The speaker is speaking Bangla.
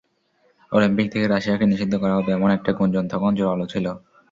অলিম্পিক থেকে রাশিয়াকে নিষিদ্ধ করা হবে, এমন একটা গুঞ্জন তখন জোরালো ছিল।